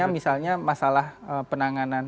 misalnya masalah penanganan